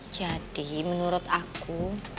jadi menurut aku